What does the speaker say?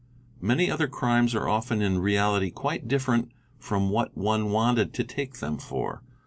Many other crimes are often in reality quite different from what one wanted to take them for.